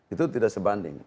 itu tidak sebanding